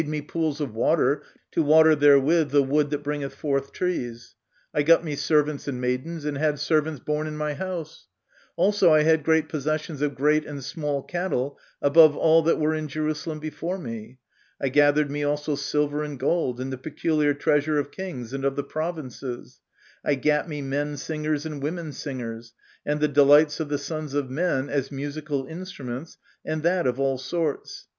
59 me pools of water, to water therewith the wood that bringeth forth trees : I got me servants and maidens, and had servants born in my house ; also I had great possessions of great and small cattle above all that were in Jerusalem before me : I gathered me also silver and gold, and the peculiar treasure of kings and of the provinces : I gat me men singers and women singers, and the delights of the sons of men, as musical instruments, and that of all sorts.